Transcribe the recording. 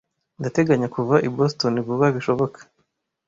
Ndateganya kuva i Boston vuba bishoboka.